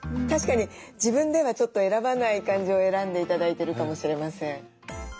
確かに自分ではちょっと選ばない感じを選んで頂いてるかもしれません。